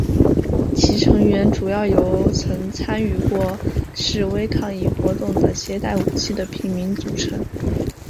其成员主要由曾参与过示威抗议活动的携带武器的平民组成。